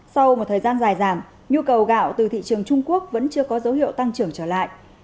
sau một thời gian dài giảm nhu cầu gạo từ thị trường trung quốc vẫn chưa có dấu hiệu tăng trưởng trở lại